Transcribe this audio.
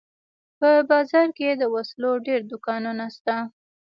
په بازار کښې د وسلو ډېر دوکانونه سته.